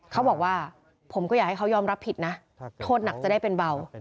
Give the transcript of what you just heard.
เขาบอกว่าผมก็อยากให้เขายอมรับผิดนะโทษหนักจะได้เป็นเบา